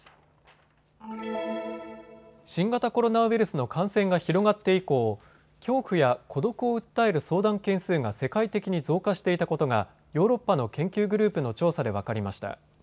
新型コロナウイルスの感染が広がって以降、恐怖や孤独を訴える相談件数が世界的に増加していたことがヨーロッパの研究グループの調査で分かりました。